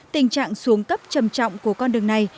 tình trạng xuống cấp trầm trọng của con đường này